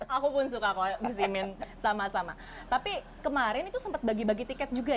aku pun suka kalau gus imin sama sama tapi kemarin itu sempat bagi bagi tiket juga ya